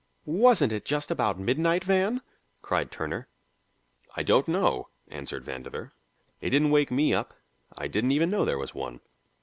"Wasn't it just about midnight, Van?" cried Turner. "I don't know," answered Vandover. "It didn't wake me up. I didn't even know there was one."